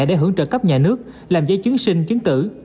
để hưởng trợ cấp nhà nước làm giấy chứng sinh chứng tử